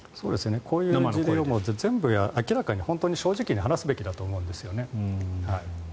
こういう事例を全部、明らかに、本当に正直に話すべきだと思うんですよね。